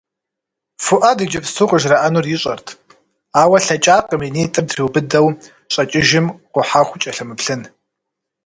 Фуӏэд иджыпсту къыжраӏэнур ищӏэрт, ауэ лъэкӏакъым и нитӏыр триубыдэу щӏэкӏыжым къухьэху кӏэлъымыплъын.